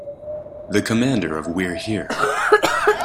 The commander of We're Here!